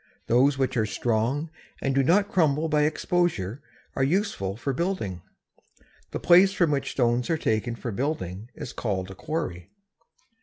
Those which are strong and do not crumble by exposure are useful for building. The place from which stones are taken for building is called a _quarry.